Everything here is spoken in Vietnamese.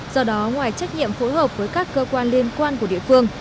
do đó ngoài trách nhiệm phối hợp với các cơ quan liên quan của địa phương